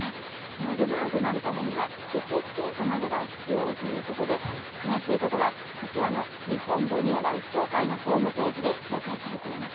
ドナーとなるためには血液検査などが必要ということで詳しいことはこちらの日本母乳バンク協会のホームページで紹介されています。